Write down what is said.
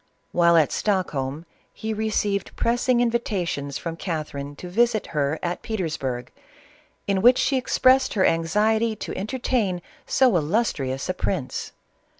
While at Stockholm he received pressing invitations from Catherine to visit her at Petersburg, in which she expressed her anxiety to entertain so illustrious a prince.